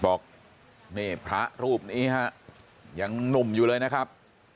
บอกนี่พระรูปนี้ฮะยังหนุ่มอยู่เลยนะครับ